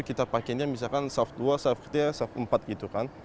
kita pakai ini misalkan sahabat dua sahabat ketiga sahabat empat gitu kan